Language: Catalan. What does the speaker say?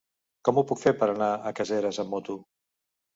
Com ho puc fer per anar a Caseres amb moto?